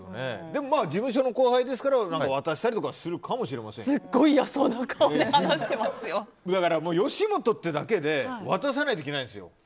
でも、事務所の後輩ですから渡したりとかはすっごい嫌そうな顔で吉本ってだけで渡さないといけないんですよ。